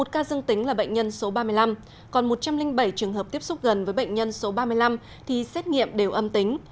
một ca dương tính là bệnh nhân số ba mươi năm còn một trăm linh bảy trường hợp tiếp xúc gần với bệnh nhân số ba mươi năm thì xét nghiệm đều âm tính